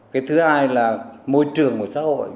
cái thứ hai là môi trường của xã hội